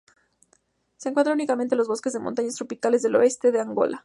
Se encuentra únicamente en los bosques de montaña tropicales del oeste de Angola.